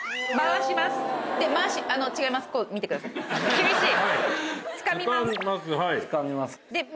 厳しい。